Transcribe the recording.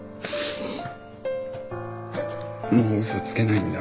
もううそつけないんだ。